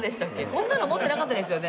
こんなの持ってなかったですよね。